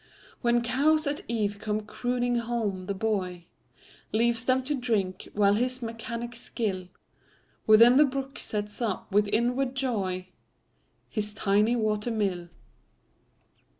When cows at eve come crooning home, the boyLeaves them to drink, while his mechanic skillWithin the brook sets up, with inward joy, His tiny water mill.